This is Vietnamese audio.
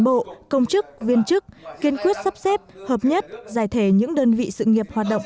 bộ công chức viên chức kiên quyết sắp xếp hợp nhất giải thể những đơn vị sự nghiệp hoạt động